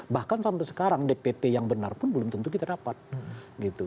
bahkan sampai sekarang dpt yang benar pun belum tentu kita dapat gitu